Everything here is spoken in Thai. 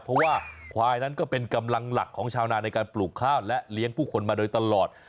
เพราะว่าควายนั้นก็เป็นกำลังหลักของชาวนาในการปลูกข้าวและเลี้ยงผู้คนมาโดยตลอด